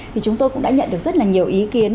thì chúng tôi cũng đã nhận được rất là nhiều ý kiến